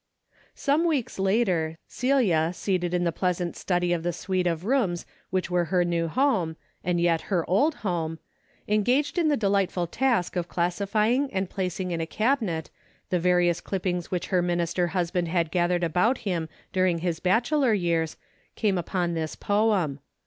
• Some weeks later, Celia seated in the pleasant study of the suite of rooms which were her new home, and yet her old home, engaged in the delightful task of classifying and placing in a cabinet the various clippings which her minister husband had gathered about him dur ing his bachelor years, came upon this poem.